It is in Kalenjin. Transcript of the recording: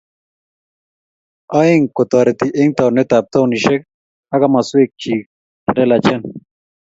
Aeng, kotoriti eng taunet ab taunishek ak komoswek chik che lelachen